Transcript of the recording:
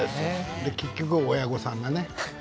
結局、親御さんがね